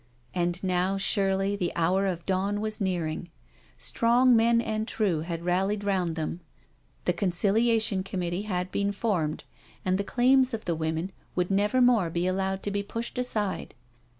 And now surely the hour of dawn was nearing. Strong men and true had rallied round them. The Conciliation Conmiittee had been formed, and the claims of the women would never more be allowed to be pushed aside.